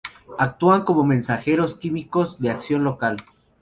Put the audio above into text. Actúan como mensajeros químicos de acción local.